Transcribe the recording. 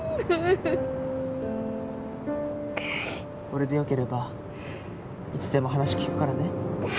俺でよければいつでも話聞くからね。